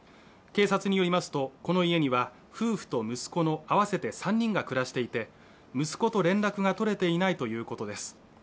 警察によりますとこの家には夫婦と息子の合わせて３人が暮らしていて息子と連絡が取れていないということです